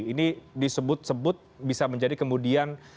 ini disebut sebut bisa menjadi kemudian